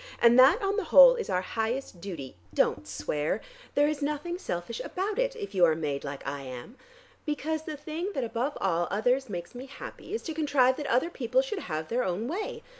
And that on the whole is our highest duty. Don't swear. There is nothing selfish about it, if you are made like I am. Because the thing that above all others makes me happy is to contrive that other people should have their own way.